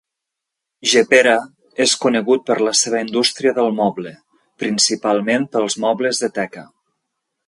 Jepera és conegut per la seva industria del moble, principalment pels mobles de teca.